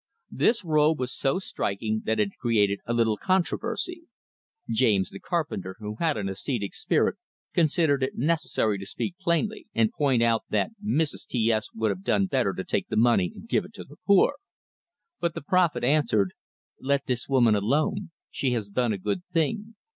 This robe was so striking that it created a little controversy. James, the carpenter, who had an ascetic spirit, considered it necessary to speak plainly, and point out that Mrs. T S would have done better to take the money and give it to the poor. But the prophet answered: "Let this woman alone. She has done a good thing.